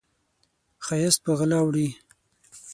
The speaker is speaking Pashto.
ښایست په غلا وړي